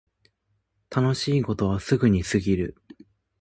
楽しいことはすぐに過ぎる